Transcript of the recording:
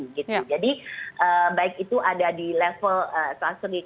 jadi baik itu ada di level suastri councilnya maupun di level level dari task force gitu